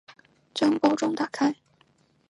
将包装打开